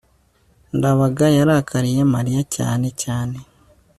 ndabaga yarakariye mariya cyane cyane